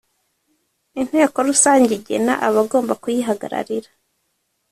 inteko rusange igena abagomba kuyihagararira